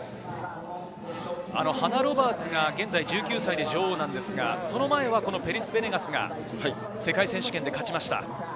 ハナ・ロバーツが現在１９歳で女王ですが、その前はこのペリス・ベネガスが世界選手権で勝ちました。